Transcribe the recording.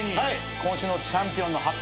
今週のチャンピオンの発表